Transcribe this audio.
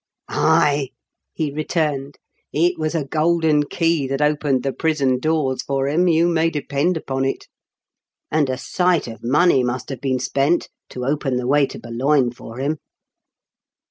"Ayl" he returned. *'It was a golden key that opened the prison doors for him, you may depend upon it; and a sight of money SMUGGLING BEMINISGENOES. 271 must have been spent to open the way to Boulogne for him.